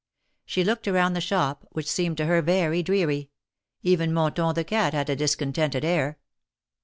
She looked around the shop, which seemed to her very dreary; even Mon ton, the cat, had a discontented air.